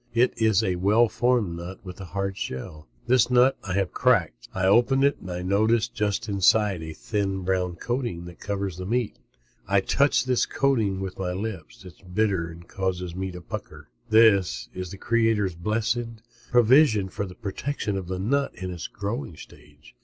It is a well formed nut with a hard shell. This nut I have is cracked. I open it and I notice just inside a thin, brown coating that covers the meat. I touch this coating to my lips. It is bitter and causes me to pucker my lips. This is the Creator's blessed provision for the protection of the nut in its growing stage.